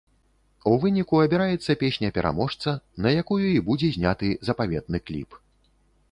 У выніку, абіраецца песня-пераможца, на якую і будзе зняты запаветны кліп.